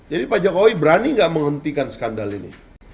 jadi pak jokowi berani nggak menghentikan skandal ini